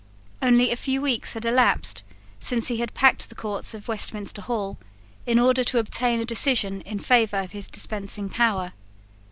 Only a few weeks had elapsed since he had packed the courts of Westminster Hall in order to obtain a decision in favour of his dispensing power.